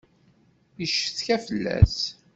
Yeccetka fell-as.